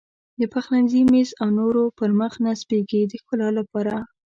د پخلنځي میز او نورو پر مخ نصبېږي د ښکلا لپاره.